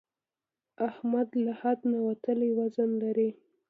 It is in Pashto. احمد له حد نه وتلی وزن لري.